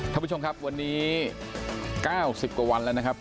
ท่านผู้ชมครับวันนี้๙๐กว่าวันแล้วนะครับ